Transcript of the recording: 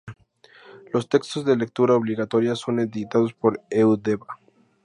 Los textos de lectura obligatoria son editados por Eudeba.